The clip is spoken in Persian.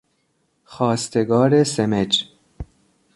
خواستگار سمج